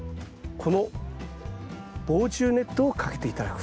この防虫ネットをかけて頂く。